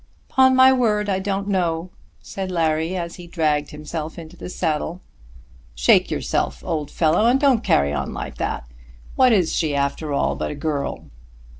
"Upon my word I don't know," said Larry, as he dragged himself into the saddle. "Shake yourself, old fellow, and don't carry on like that. What is she after all but a girl?"